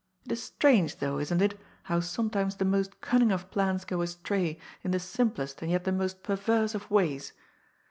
It is strange, though, isn't it, how sometimes the most cunning of plans go astray in the simplest and yet the most perverse of ways?